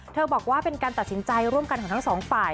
บอกว่าเป็นการตัดสินใจร่วมกันของทั้งสองฝ่าย